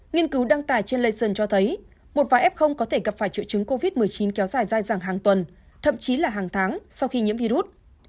nghiên cứu đăng tài trên leysen cho thấy một vài ép không có thể gặp phải chữa chứng covid một mươi chín kéo dài dài dàng hàng tuần thậm chí là hàng tháng sau khi nhiễm virus